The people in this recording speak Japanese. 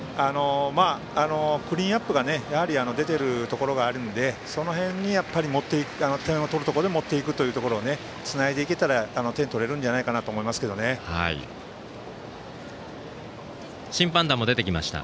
クリーンナップが出ているところがあるのでその辺に、点を取るところで持っていくというふうにつないでいけたら点を取れるんじゃないかなと審判団も出てきました。